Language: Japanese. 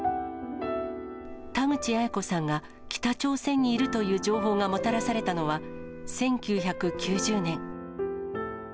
田口八重子さんが北朝鮮にいるという情報がもたらされたのは、１９９０年。